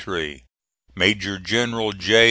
MAJOR GENERAL J.